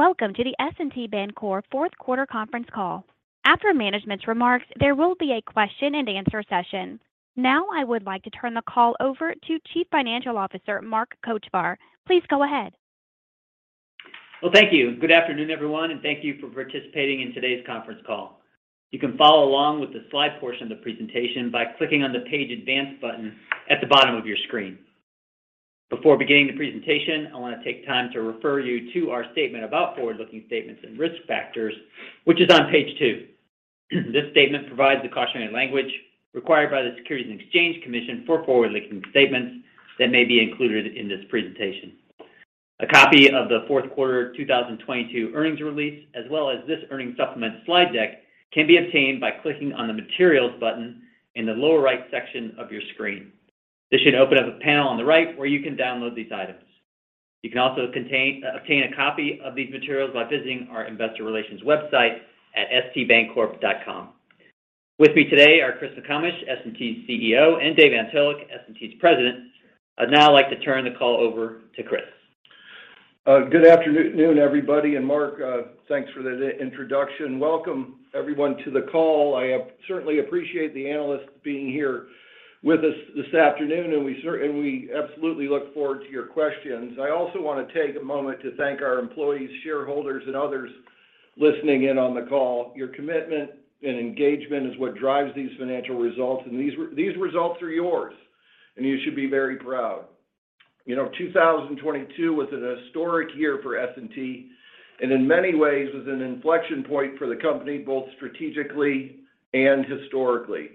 Welcome to the S&T Bancorp fourth quarter conference call. After management's remarks, there will be a question and answer session. Now, I would like to turn the call over to Chief Financial Officer, Mark Kochvar. Please go ahead. Thank you. Good afternoon, everyone, and thank you for participating in today's conference call. You can follow along with the slide portion of the presentation by clicking on the Page Advance button at the bottom of your screen. Before beginning the presentation, I want to take time to refer you to our statement about forward-looking statements and risk factors, which is on page two. This statement provides the cautionary language required by the Securities and Exchange Commission for forward-looking statements that may be included in this presentation. A copy of the fourth quarter 2022 earnings release, as well as this earnings supplement slide deck, can be obtained by clicking on the Materials button in the lower right section of your screen. This should open up a panel on the right where you can download these items. You can also obtain a copy of these materials by visiting our investor relations website at stbancorp.com. With me today are Chris McComish, S&T's CEO, and Dave Antolik, S&T's President. I'd now like to turn the call over to Chris. Good afternoon, everybody. Mark, thanks for the introduction. Welcome, everyone, to the call. I certainly appreciate the analysts being here with us this afternoon, and we absolutely look forward to your questions. I also wanna take a moment to thank our employees, shareholders, and others listening in on the call. Your commitment and engagement is what drives these financial results. These results are yours, and you should be very proud. You know, 2022 was an historic year for S&T and in many ways was an inflection point for the company, both strategically and historically.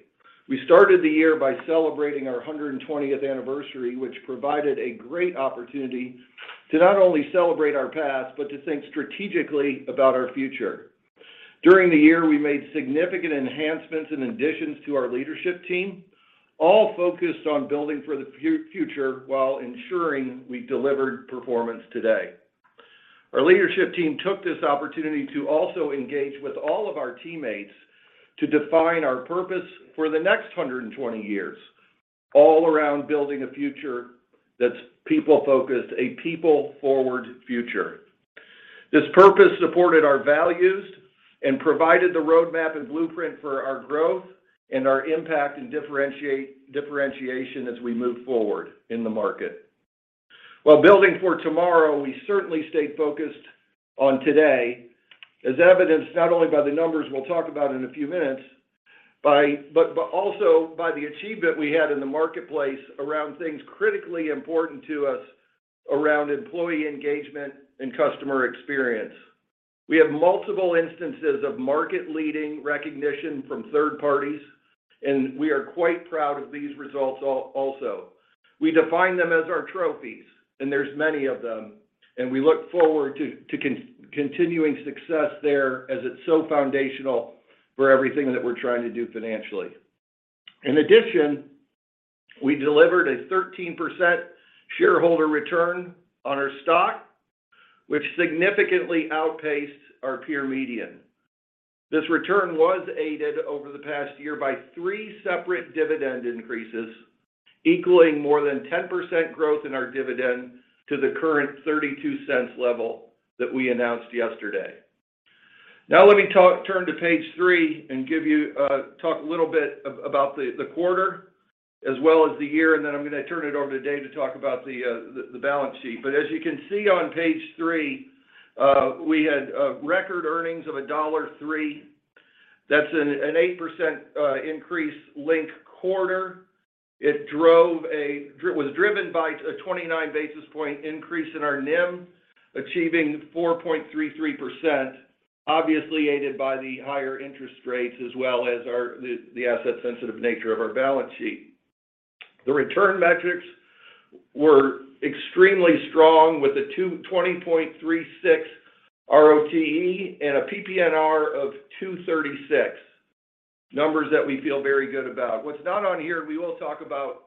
We started the year by celebrating our 120th anniversary, which provided a great opportunity to not only celebrate our past but to think strategically about our future. During the year, we made significant enhancements and additions to our leadership team, all focused on building for the future while ensuring we delivered performance today. Our leadership team took this opportunity to also engage with all of our teammates to define our purpose for the next 120 years, all around building a future that's people-focused, a people-forward future. This purpose supported our values and provided the roadmap and blueprint for our growth and our impact and differentiation as we move forward in the market. While building for tomorrow, we certainly stayed focused on today, as evidenced not only by the numbers we'll talk about in a few minutes, but also by the achievement we had in the marketplace around things critically important to us around employee engagement and customer experience. We have multiple instances of market-leading recognition from third parties, and we are quite proud of these results also. We define them as our trophies, and there's many of them, and we look forward to continuing success there as it's so foundational for everything that we're trying to do financially. In addition, we delivered a 13% shareholder return on our stock, which significantly outpaced our peer median. This return was aided over the past year by three separate dividend increases, equaling more than 10% growth in our dividend to the current $0.32 level that we announced yesterday. Let me turn to page three and talk a little bit about the quarter as well as the year, and then I'm gonna turn it over to Dave to talk about the balance sheet. As you can see on page three, we had record earnings of $1.03. That's an 8% increase link quarter. It was driven by a 29 basis point increase in our NIM, achieving 4.33%, obviously aided by the higher interest rates as well as the asset-sensitive nature of our balance sheet. The return metrics were extremely strong with a 20.36 ROTE and a PPNR of $236, numbers that we feel very good about. What's not on here, we will talk about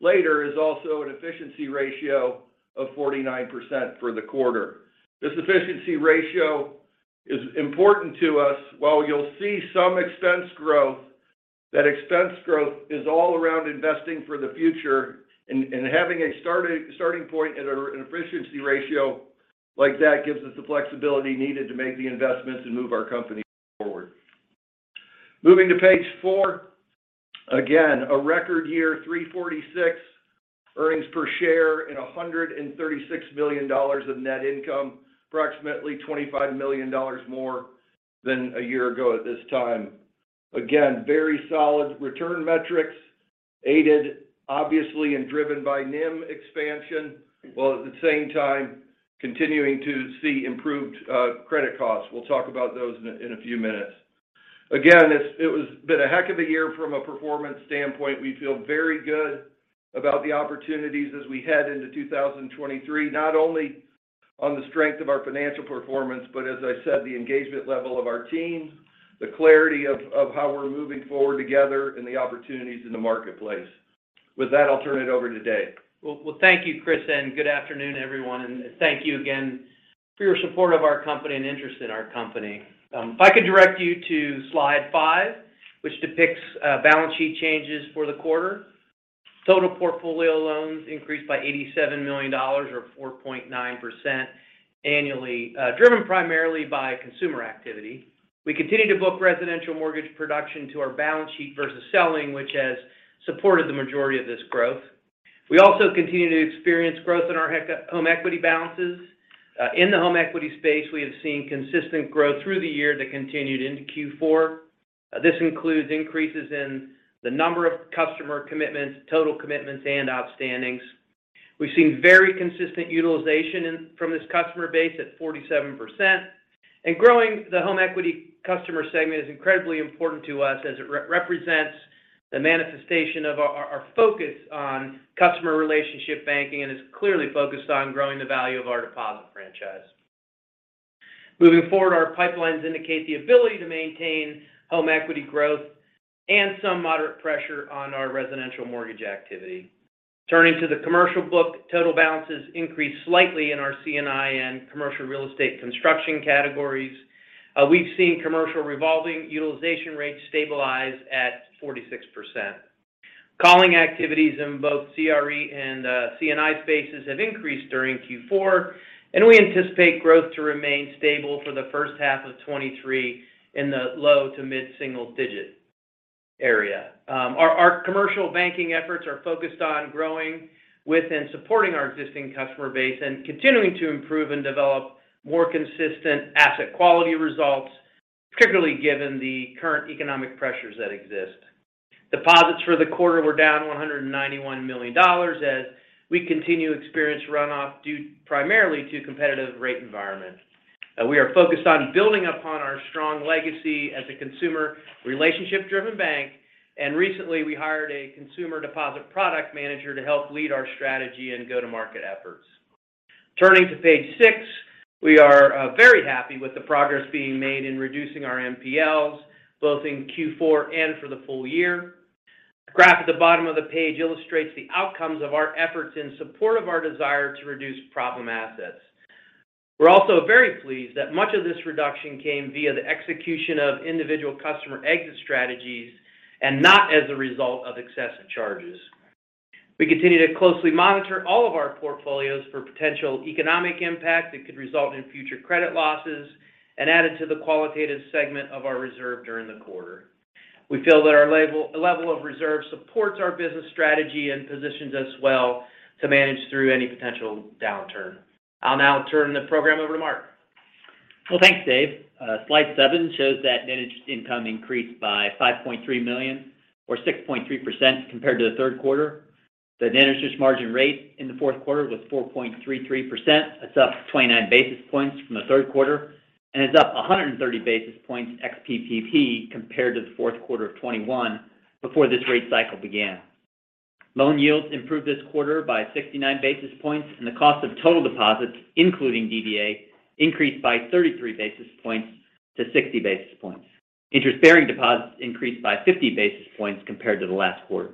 later, is also an efficiency ratio of 49% for the quarter. This efficiency ratio is important to us. While you'll see some expense growth, that expense growth is all around investing for the future and having a starting point at an efficiency ratio like that gives us the flexibility needed to make the investments and move our company forward. Moving to page four, a record year, 346 earnings per share and $136 million of net income, approximately $25 million more than a year ago at this time. Very solid return metrics, aided obviously and driven by NIM expansion, while at the same time continuing to see improved credit costs. We'll talk about those in a few minutes. It's been a heck of a year from a performance standpoint. We feel very good about the opportunities as we head into 2023, not only on the strength of our financial performance, but as I said, the engagement level of our team, the clarity of how we're moving forward together, and the opportunities in the marketplace. With that, I'll turn it over to Dave. Well, thank you, Chris, and good afternoon, everyone, and thank you again for your support of our company and interest in our company. If I could direct you to slide five, which depicts balance sheet changes for the quarter. Total portfolio loans increased by $87 million or 4.9% annually, driven primarily by consumer activity. We continue to book residential mortgage production to our balance sheet versus selling, which has supported the majority of this growth. We also continue to experience growth in our home equity balances. In the home equity space, we have seen consistent growth through the year that continued into Q4. This includes increases in the number of customer commitments, total commitments, and outstandings. We've seen very consistent utilization from this customer base at 47%. Growing the home equity customer segment is incredibly important to us as it re-represents the manifestation of our focus on customer relationship banking and is clearly focused on growing the value of our deposit franchise. Moving forward, our pipelines indicate the ability to maintain home equity growth and some moderate pressure on our residential mortgage activity. Turning to the commercial book, total balances increased slightly in our C&I and commercial real estate construction categories. We've seen commercial revolving utilization rates stabilize at 46%. Calling activities in both CRE and C&I spaces have increased during Q4, and we anticipate growth to remain stable for the first half of 2023 in the low to mid single digit area. Our commercial banking efforts are focused on growing with and supporting our existing customer base and continuing to improve and develop more consistent asset quality results, particularly given the current economic pressures that exist. Deposits for the quarter were down $191 million as we continue to experience runoff due primarily to competitive rate environment. We are focused on building upon our strong legacy as a consumer relationship-driven bank, and recently we hired a consumer deposit product manager to help lead our strategy and go-to-market efforts. Turning to page six we are very happy with the progress being made in reducing our NPLs, both in Q4 and for the full year. The graph at the bottom of the page illustrates the outcomes of our efforts in support of our desire to reduce problem assets. We're also very pleased that much of this reduction came via the execution of individual customer exit strategies and not as a result of excessive charges. We continue to closely monitor all of our portfolios for potential economic impact that could result in future credit losses and added to the qualitative segment of our reserve during the quarter. We feel that our level of reserve supports our business strategy and positions us well to manage through any potential downturn. I'll now turn the program over to Mark. Well, thanks, Dave. Slide seven shows that net interest income increased by $5.3 million or 6.3% compared to the third quarter. The net interest margin rate in the fourth quarter was 4.33%. That's up 29 basis points from the third quarter, and it's up 130 basis points ex PPP compared to the fourth quarter of 2021 before this rate cycle began. Loan yields improved this quarter by 69 basis points, and the cost of total deposits, including DDA, increased by 33 basis points to 60 basis points. Interest-bearing deposits increased by 50 basis points compared to the last quarter.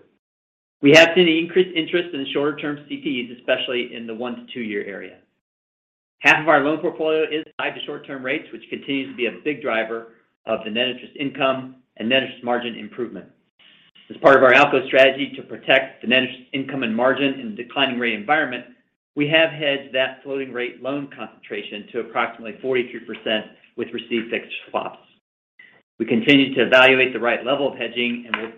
We have seen increased interest in the shorter-term CDs, especially in the one-two year area. Half of our loan portfolio is tied to short-term rates, which continues to be a big driver of the net interest income and net interest margin improvement. As part of our outlook strategy to protect the net interest income and margin in the declining rate environment, we have hedged that floating rate loan concentration to approximately 43% with received fixed swaps. We continue to evaluate the right level of hedging and will,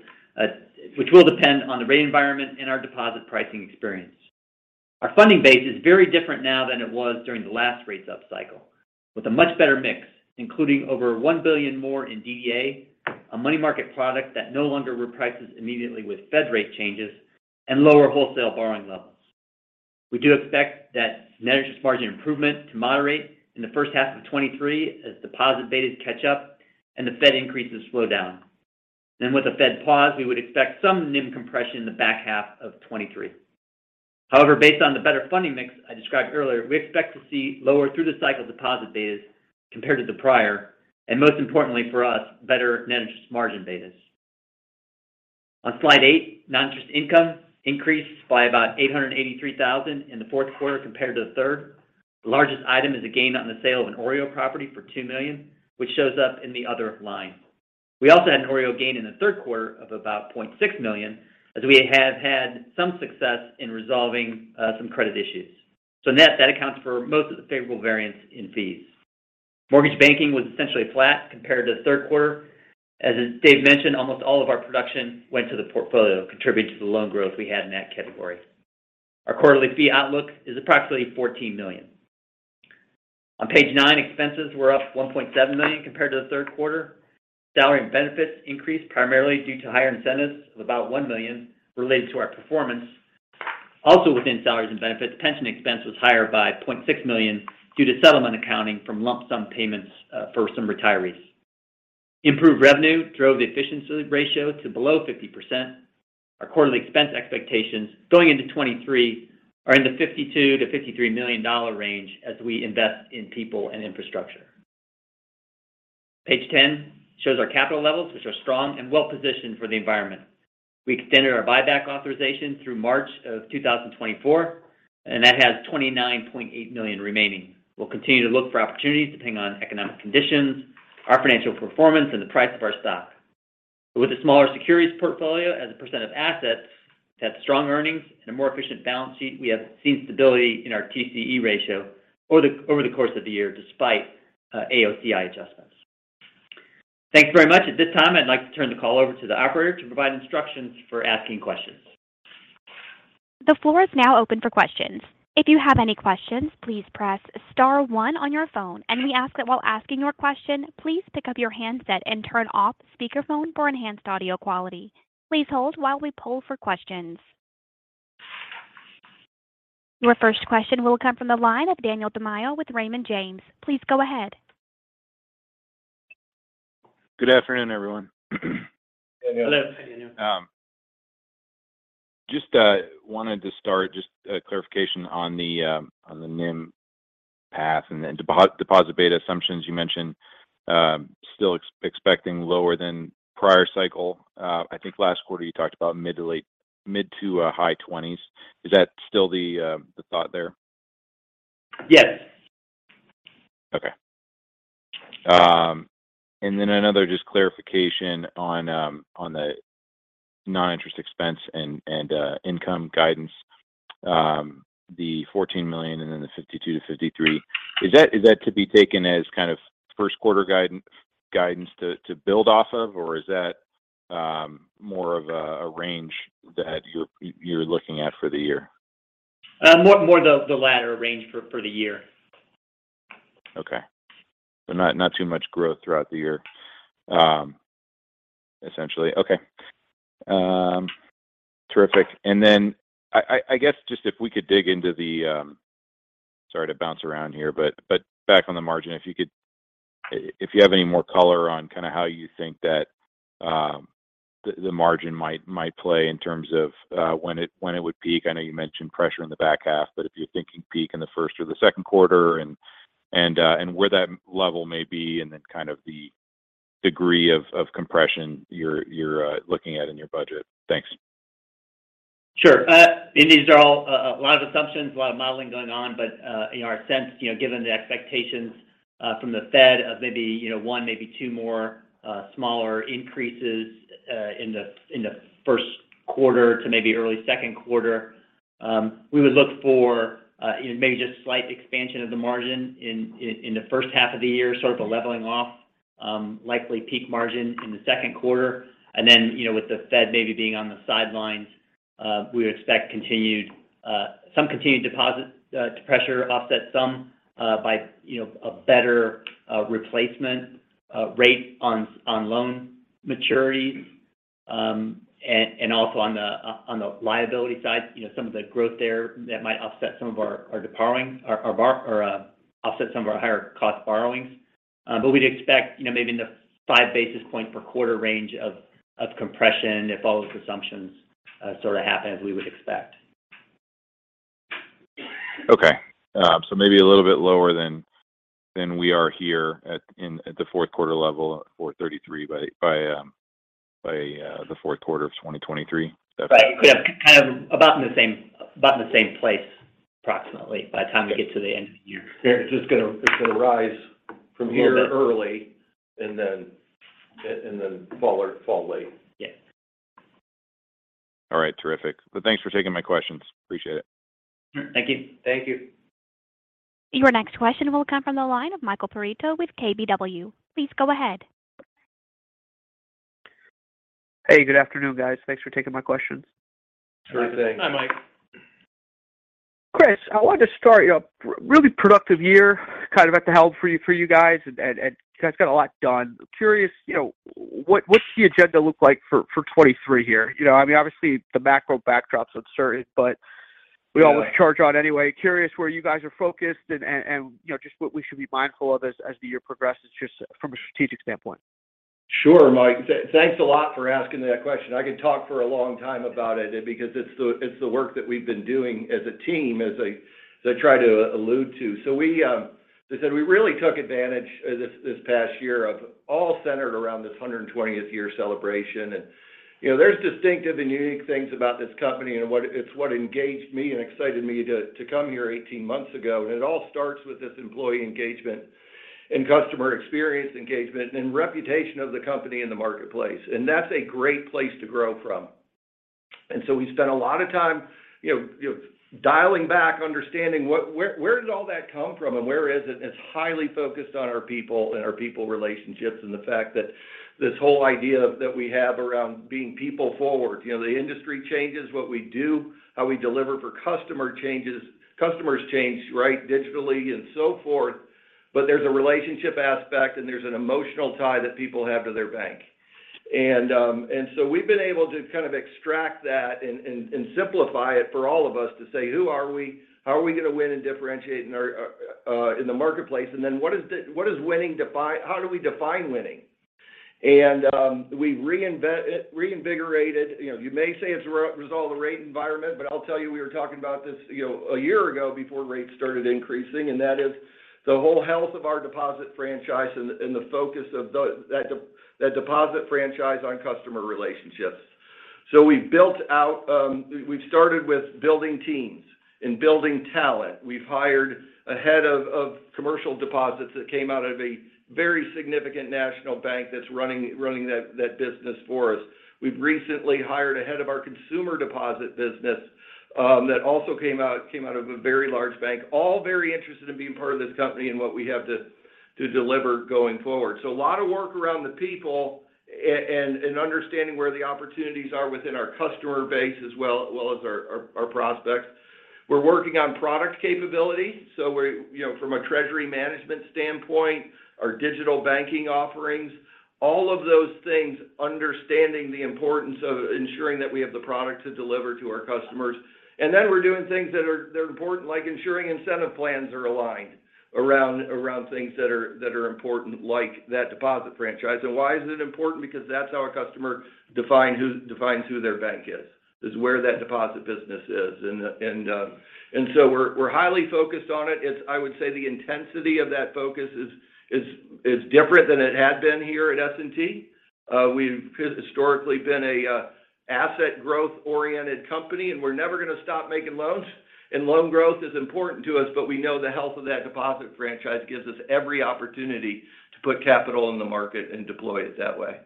which will depend on the rate environment and our deposit pricing experience. Our funding base is very different now than it was during the last rates up cycle, with a much better mix, including over $1 billion more in DDA, a money market product that no longer reprices immediately with Fed rate changes and lower wholesale borrowing levels. We do expect that net interest margin improvement to moderate in the first half of 2023 as deposit betas catch up and the Fed increases slow down. With a Fed pause, we would expect some NIM compression in the back half of 2023. However, based on the better funding mix I described earlier, we expect to see lower through the cycle deposit betas compared to the prior, and most importantly for us, better net interest margin betas. On slide eight, non-interest income increased by about $883,000 in the fourth quarter compared to the third. The largest item is a gain on the sale of an OREO property for $2 million, which shows up in the other line. We also had an OREO gain in the third quarter of about $0.6 million, as we have had some success in resolving some credit issues. Net, that accounts for most of the favorable variance in fees. Mortgage banking was essentially flat compared to the third quarter. As Dave mentioned, almost all of our production went to the portfolio, contributing to the loan growth we had in that category. Our quarterly fee outlook is approximately $14 million. On page nine, expenses were up $1.7 million compared to the third quarter. Salary and benefits increased primarily due to higher incentives of about $1 million related to our performance. Within salaries and benefits, pension expense was higher by $0.6 million due to settlement accounting from lump sum payments for some retirees. Improved revenue drove the efficiency ratio to below 50%. Our quarterly expense expectations going into 2023 are in the $52 million-$53 million range as we invest in people and infrastructure. Page 10 shows our capital levels, which are strong and well-positioned for the environment. We extended our buyback authorization through March of 2024. That has $29.8 million remaining. We'll continue to look for opportunities depending on economic conditions, our financial performance, and the price of our stock. With a smaller securities portfolio as a % of assets that have strong earnings and a more efficient balance sheet, we have seen stability in our TCE ratio over the course of the year despite AOCI adjustments. Thanks very much. At this time, I'd like to turn the call over to the operator to provide instructions for asking questions. The floor is now open for questions. If you have any questions, please press star one on your phone. We ask that while asking your question, please pick up your handset and turn off speakerphone for enhanced audio quality. Please hold while we poll for questions. Your first question will come from the line of Daniel Tamayo with Raymond James. Please go ahead. Good afternoon, everyone. Hello. Hello. Just wanted to start just a clarification on the NIM path and then deposit beta assumptions. You mentioned, still expecting lower than prior cycle. I think last quarter you talked about mid to high 20s. Is that still the thought there? Yes. Okay. Another just clarification on the non-interest expense and income guidance. The $14 million and the $52 million-$53 million. Is that to be taken as kind of first quarter guidance to build off of? Or is that more of a range that you're looking at for the year? More the latter range for the year. Okay. Not too much growth throughout the year, essentially. Okay. Terrific. Then I guess just if we could dig into the... Sorry to bounce around here, but back on the margin, if you have any more color on kind of how you think that the margin might play in terms of when it would peak. I know you mentioned pressure in the back half, but if you're thinking peak in the first or the second quarter and where that level may be and then kind of the degree of compression you're looking at in your budget. Thanks. Sure. These are all a lot of assumptions, a lot of modeling going on. You know, our sense, you know, given the expectations from the Fed of maybe, you know, one, maybe two more smaller increases in the first quarter to maybe early second quarter. We would look for, you know, maybe just slight expansion of the margin in the first half of the year, sort of a leveling off. Likely peak margin in the second quarter. Then, you know, with the Fed maybe being on the sidelines, we would expect continued some continued deposit pressure offset some by, you know, a better replacement rate on loan maturities. Also on the liability side, you know, some of the growth there that might offset some of our borrowing or offset some of our higher cost borrowings. We'd expect, you know, maybe in the 5 basis point per quarter range of compression if all those assumptions, sort of happen as we would expect. Okay. Maybe a little bit lower than we are here at, in, at the fourth quarter level, $4.33 by the fourth quarter of 2023. Right. Yeah. Kind of about in the same place approximately by the time we get to the end of the year. It's just gonna rise from here early and then fall late. Yes. All right. Terrific. Thanks for taking my questions. Appreciate it. Thank you. Thank you. Your next question will come from the line of Michael Perito with KBW. Please go ahead. Hey, good afternoon, guys. Thanks for taking my questions. Sure thing. Hi. Hi, Mike. Chris, I wanted to start, you know, really productive year kind of at the helm for you guys. You guys got a lot done. Curious, you know, what's the agenda look like for 2023 here? You know, I mean, obviously the macro backdrop's uncertain, but we always charge on anyway. Curious where you guys are focused and, you know, just what we should be mindful of as the year progresses, just from a strategic standpoint. Sure, Mike. Thanks a lot for asking that question. I can talk for a long time about it because it's the work that we've been doing as a team, as I try to allude to. We, as I said, we really took advantage this past year of all centered around this 120th year celebration. You know, there's distinctive and unique things about this company and it's what engaged me and excited me to come here 18 months ago. It all starts with this employee engagement and customer experience engagement and reputation of the company in the marketplace. That's a great place to grow from. We spent a lot of time, you know, dialing back, understanding where did all that come from and where is it? It's highly focused on our people and our people relationships and the fact that this whole idea that we have around being people forward. You know, the industry changes what we do, how we deliver for customer changes. Customers change, right, digitally and so forth. There's a relationship aspect, and there's an emotional tie that people have to their bank. We've been able to kind of extract that and simplify it for all of us to say, "Who are we? How are we going to win and differentiate in our in the marketplace? How do we define winning?" We reinvigorated, you know, you may say it's result of the rate environment, but I'll tell you, we were talking about this, you know, a year ago before rates started increasing, and that is the whole health of our deposit franchise and the focus of the, that deposit franchise on customer relationships. We've built out, we've started with building teams and building talent. We've hired a head of commercial deposits that came out of a very significant national bank that's running that business for us. We've recently hired a head of our consumer deposit business that also came out of a very large bank. All very interested in being part of this company and what we have to deliver going forward. A lot of work around the people and understanding where the opportunities are within our customer base as well as our prospects. We're working on product capability. We're, you know, from a treasury management standpoint, our digital banking offerings. All of those things understanding the importance of ensuring that we have the product to deliver to our customers. We're doing things that are important like ensuring incentive plans are aligned around things that are important like that deposit franchise. Why is it important? Because that's how a customer defines who their bank is where that deposit business is. We're highly focused on it. I would say the intensity of that focus is different than it had been here at S&T. We've historically been a asset growth-oriented company, and we're never gonna stop making loans. Loan growth is important to us, but we know the health of that deposit franchise gives us every opportunity to put capital in the market and deploy it that way.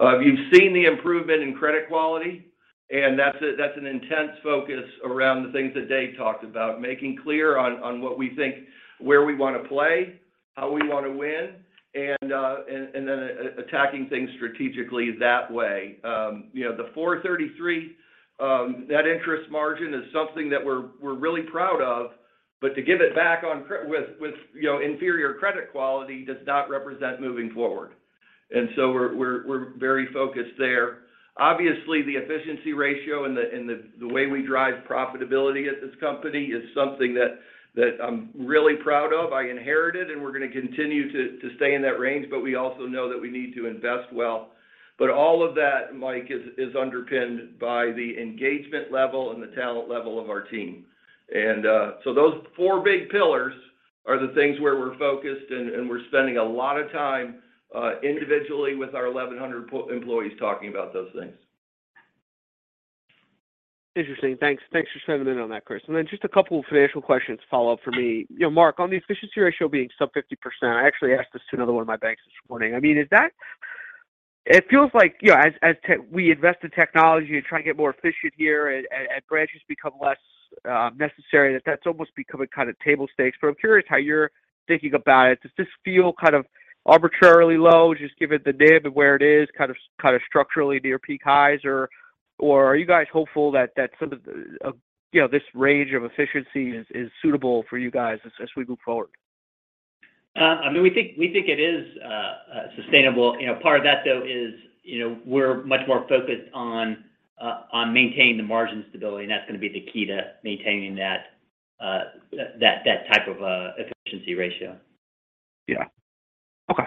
You've seen the improvement in credit quality, and that's an intense focus around the things that Dave talked about, making clear on what we think where we wanna play, how we wanna win, and then attacking things strategically that way. You know, the 4.33% net interest margin is something that we're really proud of. To give it back with, you know, inferior credit quality does not represent moving forward. So we're very focused there. Obviously, the efficiency ratio and the way we drive profitability at this company is something that I'm really proud of. I inherited, and we're gonna continue to stay in that range. We also know that we need to invest well. All of that, Michael Perito, is underpinned by the engagement level and the talent level of our team. Those four big pillars are the things where we're focused and we're spending a lot of time individually with our 1,100 employees talking about those things. Interesting. Thanks. Thanks for shedding the light on that, Chris. Just a couple of financial questions to follow up for me. You know, Mark, on the efficiency ratio being sub 50%, I actually asked this to another one of my banks this morning. I mean, it feels like, you know, as we invest in technology and try and get more efficient here and branches become less necessary that that's almost become a kind of table stakes. I'm curious how you're thinking about it. Does this feel kind of arbitrarily low, just given the NIM and where it is kind of structurally near peak highs? Are you guys hopeful that some of the, you know, this range of efficiency is suitable for you guys as we move forward? I mean, we think it is sustainable. You know, part of that though is, you know, we're much more focused on maintaining the margin stability, and that's gonna be the key to maintaining that type of efficiency ratio. Yeah. Okay.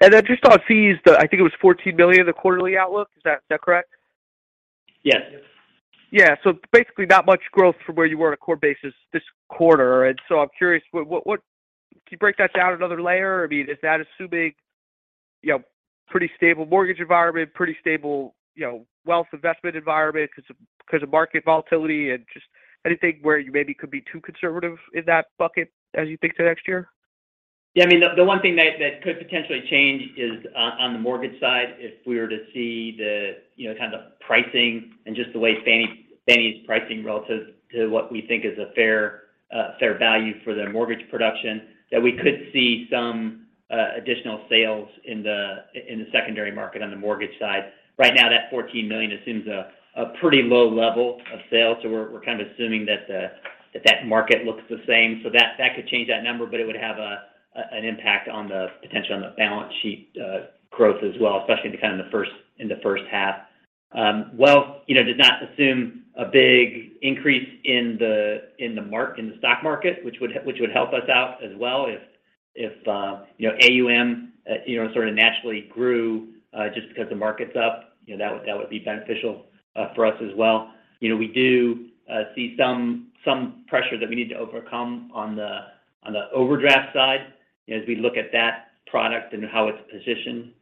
Then just on fees, I think it was $14 billion, the quarterly outlook. Is that correct? Yes. Yeah. Basically not much growth from where you were on a core basis this quarter. I'm curious, what? Can you break that down another layer? I mean, is that assuming, you know, pretty stable mortgage environment, pretty stable, you know, wealth investment environment because of market volatility? Just anything where you maybe could be too conservative in that bucket as you think to next year? Yeah. I mean, the one thing that could potentially change is on the mortgage side, if we were to see the, you know, kind of pricing and just the way Fannie's pricing relative to what we think is a fair value for their mortgage production, that we could see some additional sales in the secondary market on the mortgage side. Right now, that $14 million assumes a pretty low level of sales, so we're kind of assuming that that market looks the same. That could change that number, but it would have an impact on the potential on the balance sheet growth as well, especially kind of in the first half. Wealth, you know, does not assume a big increase in the stock market, which would help us out as well if, you know, AUM, you know, sort of naturally grew, just because the market's up. You know, that would be beneficial for us as well. You know, we do see some pressure that we need to overcome on the overdraft side as we look at that product and how it's positioned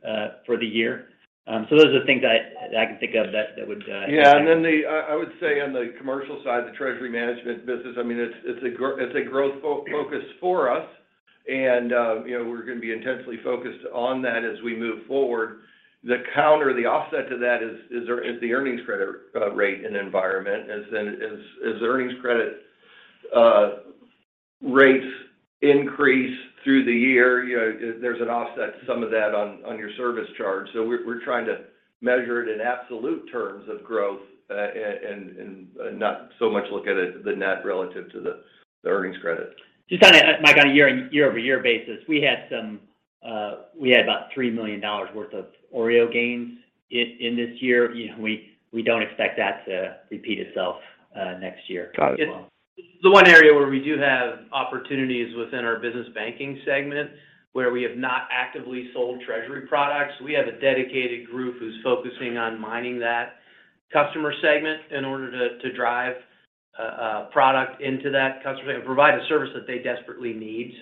for the year. Those are the things I can think of that would. I would say on the commercial side, the treasury management business, I mean, it's a growth focus for us. You know, we're gonna be intensely focused on that as we move forward. The counter, the offset to that is the earnings credit rate and environment. As earnings credit rates increase through the year, you know, there's an offset to some of that on your service charge. We're trying to measure it in absolute terms of growth and not so much look at it the net relative to the earnings credit. Just on a, Mike, on a year-over-year basis, we had about $3 million worth of OREO gains in this year. You know, we don't expect that to repeat itself, next year as well. Got it. The one area where we do have opportunities within our business banking segment where we have not actively sold treasury products, we have a dedicated group who's focusing on mining that customer segment in order to drive. A product into that customer and provide a service that they desperately need.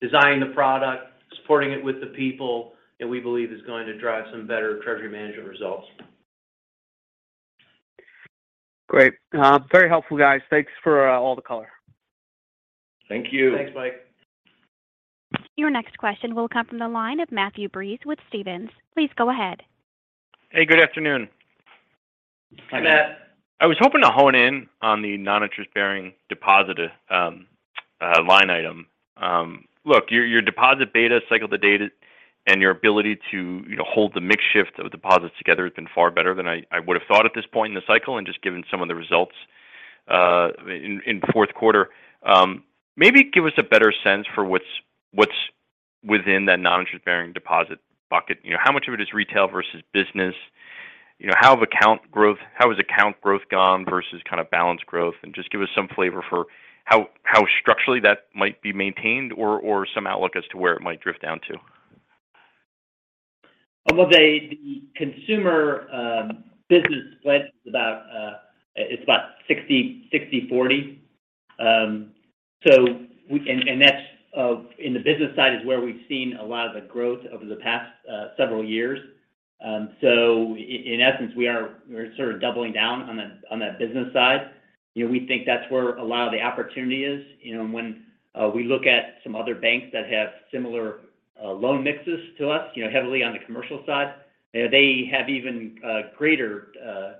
Designing the product, supporting it with the people that we believe is going to drive some better treasury management results. Great. Very helpful, guys. Thanks for, all the color. Thank you. Thanks, Mike. Your next question will come from the line of Matthew Breese with Stephens. Please go ahead. Hey, good afternoon. Hi, Matt. I was hoping to hone in on the non-interest-bearing deposit line item. Look, your deposit beta cycle to date and your ability to, you know, hold the mix shift of deposits together has been far better than I would've thought at this point in the cycle and just given some of the results in fourth quarter. Maybe give us a better sense for what's within that non-interest-bearing deposit bucket. You know, how much of it is retail versus business? You know, how has account growth gone versus kind of balance growth? Just give us some flavor for how structurally that might be maintained or some outlook as to where it might drift down to. Well, the consumer business split is about it's about 60/40. That's in the business side is where we've seen a lot of the growth over the past several years. In essence, we are, we're sort of doubling down on that business side. You know, we think that's where a lot of the opportunity is. You know, when we look at some other banks that have similar loan mixes to us, you know, heavily on the commercial side, they have even a greater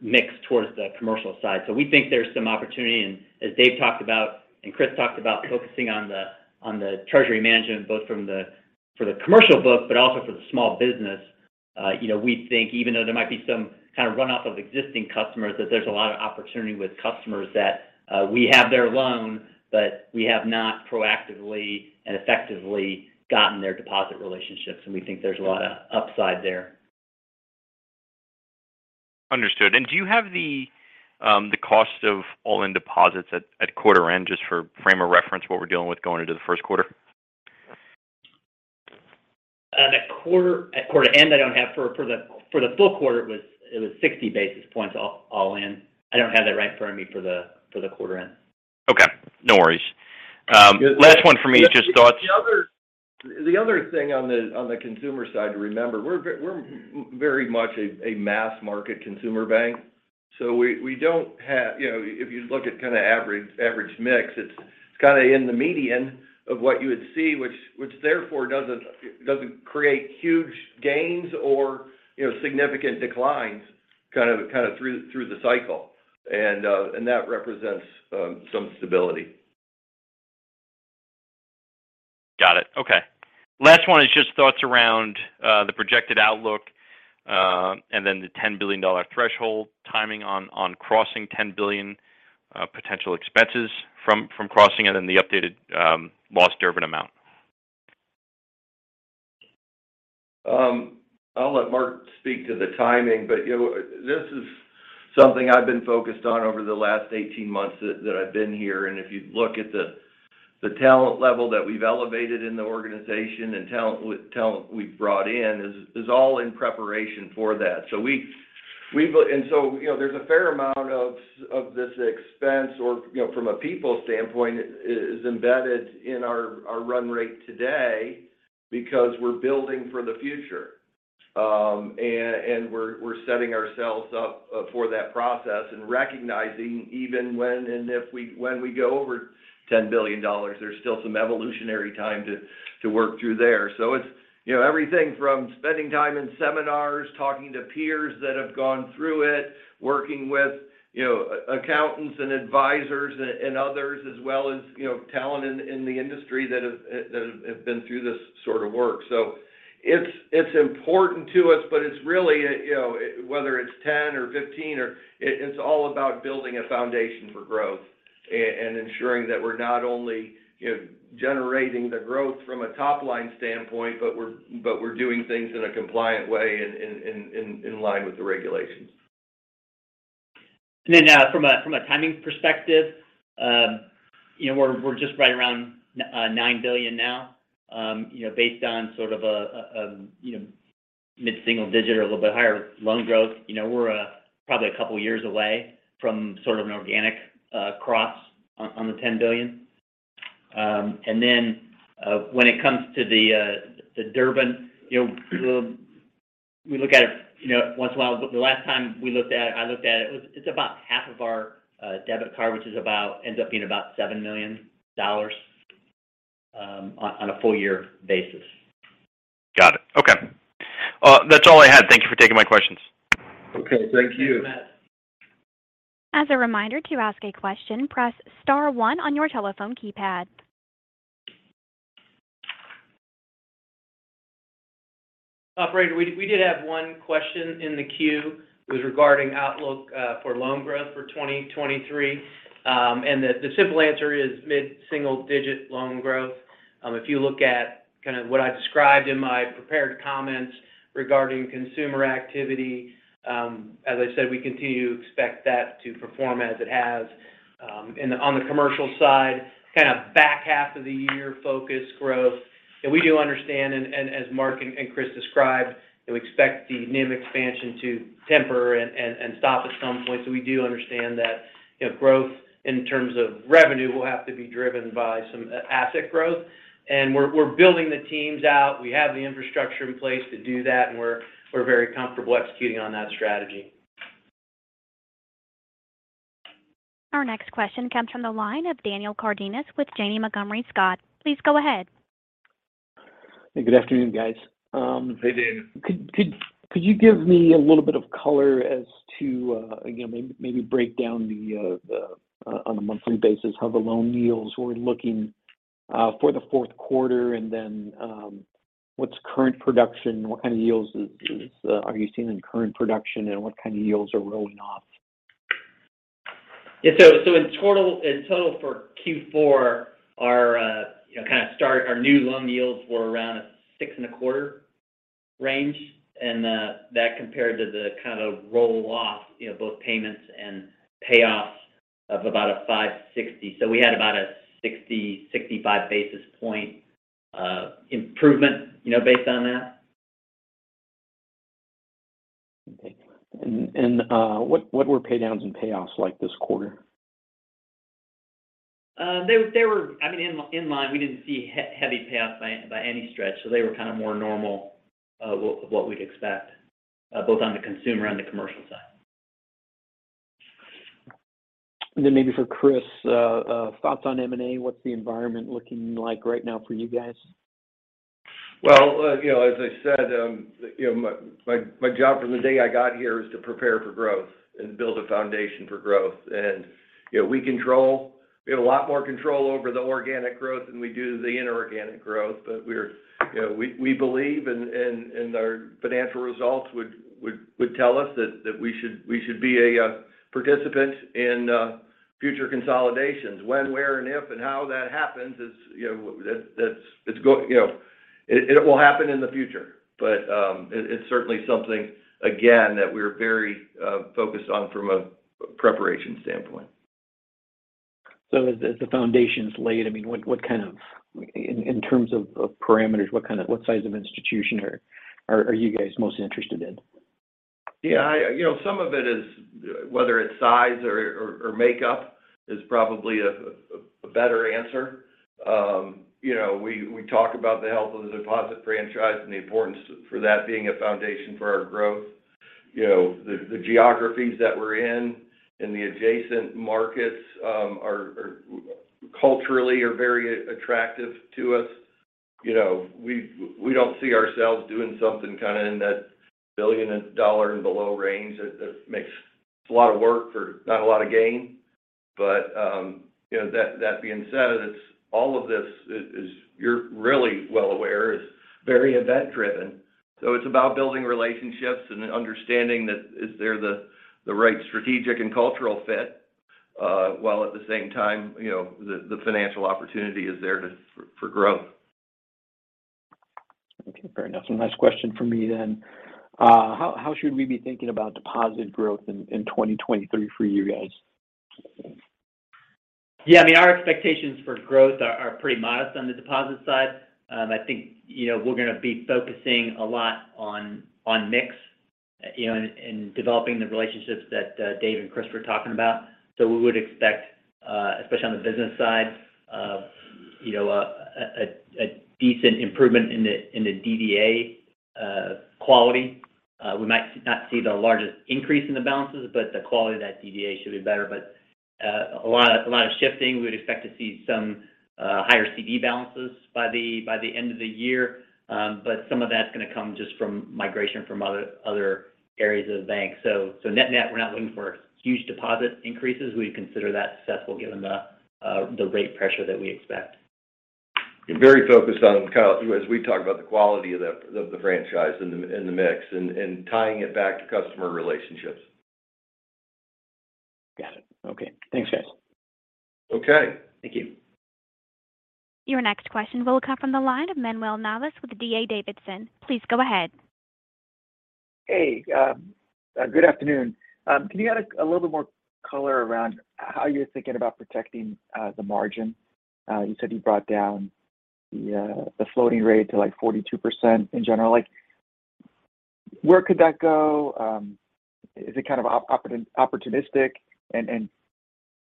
mix towards the commercial side. We think there's some opportunity, and as Dave talked about and Chris talked about focusing on the, on the treasury management, both for the commercial book, but also for the small business. you know, we think even though there might be some kind of runoff of existing customers, that there's a lot of opportunity with customers that we have their loan, but we have not proactively and effectively gotten their deposit relationships, and we think there's a lot of upside there. Understood. Do you have the cost of all-in deposits at quarter end just for frame of reference what we're dealing with going into the first quarter? At quarter end, I don't have. For the full quarter, it was 60 basis points all in. I don't have that right in front of me for the quarter end. Okay, no worries. The other- Last one from me, just thoughts. The other thing on the consumer side to remember, we're very much a mass market consumer bank, so we don't have... You know, if you look at kind of average mix, it's kind of in the median of what you would see, which therefore doesn't create huge gains or, you know, significant declines kind of through the cycle. That represents some stability. Got it. Okay. Last one is just thoughts around the projected outlook, and then the $10 billion threshold timing on crossing $10 billion, potential expenses from crossing it and the updated loss Durbin amount. I'll let Mark speak to the timing, but, you know, this is something I've been focused on over the last 18 months that I've been here. If you look at the talent level that we've elevated in the organization and talent we've brought in is all in preparation for that. We've and so, you know, there's a fair amount of this expense or, you know, from a people standpoint is embedded in our run rate today because we're building for the future. We're setting ourselves up for that process and recognizing even when and if we when we go over $10 billion, there's still some evolutionary time to work through there. It's, you know, everything from spending time in seminars, talking to peers that have gone through it, working with, you know, accountants and advisors and others, as well as, you know, talent in the industry that have been through this sort of work. It's, it's important to us, but it's really, you know, whether it's 10 or 15 or. It's all about building a foundation for growth and ensuring that we're not only, you know, generating the growth from a top-line standpoint, but we're doing things in a compliant way in line with the regulations. From a timing perspective, you know, we're just right around $9 billion now. You know, based on sort of a, you know, mid-single digit or a little bit higher loan growth. You know, we're probably a couple of years away from sort of an organic cross on the $10 billion. When it comes to the Durbin, you know, we look at it, you know, once in a while. The last time I looked at it's about half of our debit card, which ends up being about $7 million on a full year basis. Got it. Okay. That's all I had. Thank you for taking my questions. Okay. Thank you. Thanks, Matt. As a reminder, to ask a question, press star one on your telephone keypad. Operator, we did have one question in the queue. It was regarding outlook for loan growth for 2023. The simple answer is mid-single digit loan growth. If you look at kind of what I described in my prepared comments regarding consumer activity, as I said, we continue to expect that to perform as it has. On the commercial side, kind of back half of the year focus growth. We do understand and as Mark and Chris described, we expect the NIM expansion to temper and stop at some point. We do understand that, you know, growth in terms of revenue will have to be driven by some asset growth. We're building the teams out. We have the infrastructure in place to do that, and we're very comfortable executing on that strategy. Our next question comes from the line of Daniel Cardenas with Janney Montgomery Scott. Please go ahead. Hey, good afternoon, guys. Hey, Dan. Could you give me a little bit of color as to, you know, maybe break down the on a monthly basis how the loan yields were looking for the fourth quarter and then, what's current production? What kind of yields are you seeing in current production, and what kind of yields are rolling off? In total, for Q4 our, you know, kind of start our new loan yields were around a 6.25% range, and that compared to the kind of roll-off, you know, both payments and payoffs of about a 5.60%. We had about a 60-65 basis point improvement, you know, based on that. Okay. what were paydowns and payoffs like this quarter? They were, I mean, in line. We didn't see heavy payoffs by any stretch, so they were kind of more normal, what we'd expect, both on the consumer and the commercial side. Maybe for Chris, thoughts on M&A. What's the environment looking like right now for you guys? You know, as I said, you know, my job from the day I got here is to prepare for growth and build a foundation for growth. You know, we have a lot more control over the organic growth than we do the inorganic growth. We're, you know, we believe and our financial results would tell us that we should be a participant in future consolidations. When, where, and if, and how that happens is, you know, that's it will happen in the future. It's certainly something again that we're very focused on from a preparation standpoint. as the foundation's laid, I mean, in terms of parameters, what size of institution are you guys most interested in? Yeah. I, you know, some of it is whether it's size or, or makeup is probably a better answer. You know, we talk about the health of the deposit franchise and the importance for that being a foundation for our growth. You know, the geographies that we're in and the adjacent markets culturally are very attractive to us. You know, we don't see ourselves doing something kind of in that billion dollar and below range that makes a lot of work for not a lot of gain. You know, that being said, it's all of this is you're really well aware is very event-driven. It's about building relationships and understanding that is there the right strategic and cultural fit, while at the same time, you know, the financial opportunity is there for growth. Okay. Fair enough. One last question from me then. How should we be thinking about deposit growth in 2023 for you guys? I mean, our expectations for growth are pretty modest on the deposit side. I think, you know, we're gonna be focusing a lot on mix, you know, and developing the relationships that Dave and Chris were talking about. We would expect, especially on the business side, you know, a decent improvement in the DDA quality. We might not see the largest increase in the balances, the quality of that DDA should be better. A lot of shifting. We'd expect to see some higher CD balances by the end of the year. Some of that's gonna come just from migration from other areas of the bank. Net-net, we're not looking for huge deposit increases. We consider that successful given the rate pressure that we expect. Very focused on kind of as we talk about the quality of the franchise and the mix and tying it back to customer relationships. Got it. Okay. Thanks, guys. Okay. Thank you. Your next question will come from the line of Manuel Navas with D.A. Davidson. Please go ahead. Hey, good afternoon. Can you add a little bit more color around how you're thinking about protecting the margin? You said you brought down the floating rate to, like, 42% in general. Like, where could that go? Is it kind of opportunistic?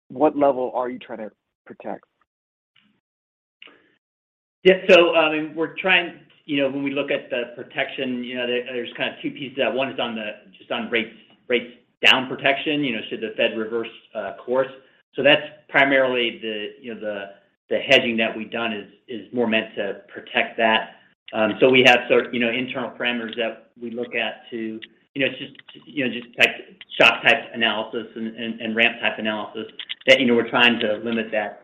What level are you trying to protect? I mean, we're trying, you know, when we look at the protection, you know, there's kind of two pieces. One is on the, just on rates down protection, you know, should the Fed reverse course. That's primarily the, you know, the hedging that we've done is more meant to protect that. We have certain, you know, internal parameters that we look at to, you know, it's just, you know, shock type analysis and ramp type analysis that, you know, we're trying to limit that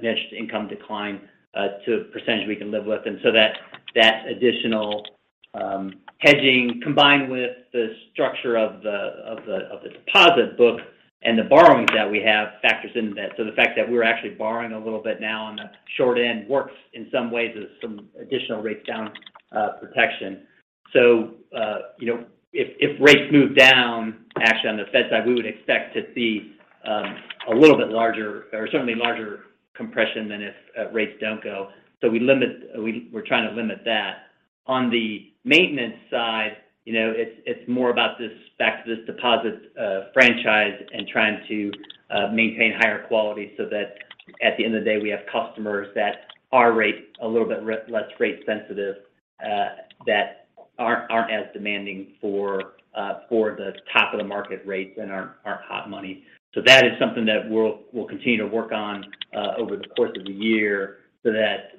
net interest income decline to a percentage we can live with. That additional hedging combined with the structure of the deposit book and the borrowings that we have factors into that. The fact that we're actually borrowing a little bit now on the short end works in some ways as some additional rates down protection. You know, if rates move down actually on the Fed side, we would expect to see a little bit larger or certainly larger compression than if rates don't go. We're trying to limit that. On the maintenance side, you know, it's more about the specs of this deposit franchise and trying to maintain higher quality so that at the end of the day, we have customers that are rate a little bit less rate sensitive, that aren't as demanding for the top of the market rates and aren't hot money. That is something that we'll continue to work on over the course of the year so that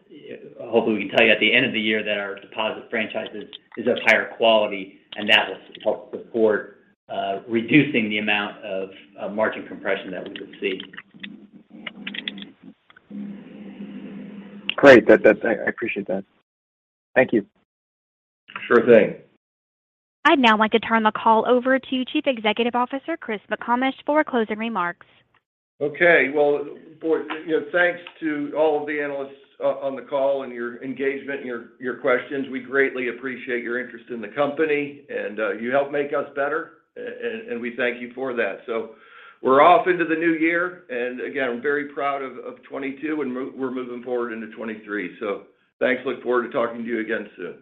hopefully we can tell you at the end of the year that our deposit franchise is of higher quality, and that will help support reducing the amount of margin compression that we could see. Great. That I appreciate that. Thank you. Sure thing. I'd now like to turn the call over to Chief Executive Officer, Christopher McComish, for closing remarks. Well, boy, you know, thanks to all of the analysts on the call and your engagement and your questions. We greatly appreciate your interest in the company, and you help make us better. We thank you for that. We're off into the new year, and again, we're very proud of 2022, and we're moving forward into 2023. Thanks. Look forward to talking to you again soon.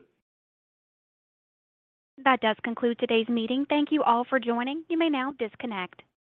That does conclude today's meeting. Thank you all for joining. You may now disconnect.